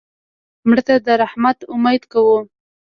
مړه ته د رحمت امید کوو